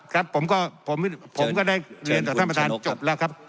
ครับผมก็ผมก็ได้เรียนต่อท่านประธานจบแล้วครับ